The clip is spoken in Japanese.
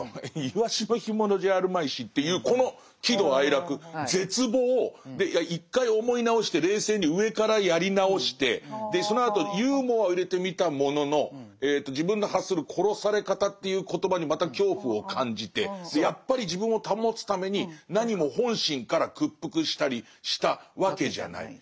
いわしの干物じゃあるまいし」っていうこの喜怒哀楽絶望で一回思い直して冷静に上からやり直してそのあとユーモアを入れてみたものの自分の発する「殺され方」という言葉にまた恐怖を感じてやっぱり自分を保つために「なにも本心から屈服したりしたわけじゃない」。